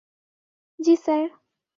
জ্বী, স্যার।